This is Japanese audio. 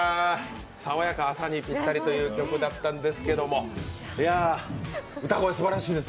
爽やか、朝にぴったりという曲だったんですけども、いや、歌声すばらしいです